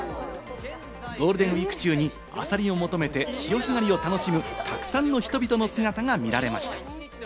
ゴールデンウイーク中にアサリを求めて、潮干狩りを楽しむたくさんの人々の姿が見られました。